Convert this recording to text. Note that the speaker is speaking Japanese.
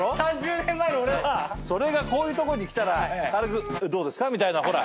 それがこういうとこに来たら軽く「どうですか？」みたいな。